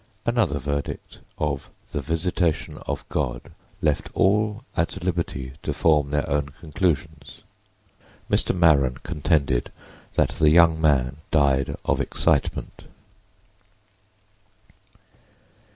Another verdict of "the visitation of God" left all at liberty to form their own conclusions. Mr. Maren contended that the young man died of excitement.